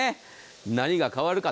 何が変わるか。